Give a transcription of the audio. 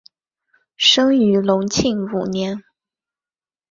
生于隆庆五年。